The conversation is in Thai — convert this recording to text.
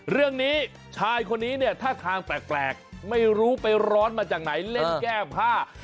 เรื่องนี้ชายคนนี้เนี่ยท่าทางแปลกไม่รู้ไปร้อนมาจากไหนเล่นแก้ผ้า